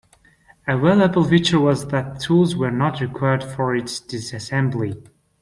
A valuable feature was that tools were not required for its disassembly.